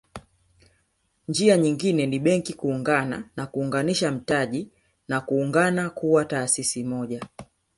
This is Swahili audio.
Njia nyingine ni Benki kuungana na kuunganisha mtaji na kuungana kuwa taasisi moja